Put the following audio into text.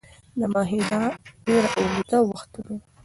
دا معاهده ډیر اوږد وخت ونیو.